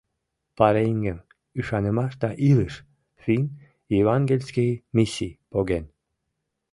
Пареҥгым «Ӱшанымаш да илыш» финн евангельский миссий поген.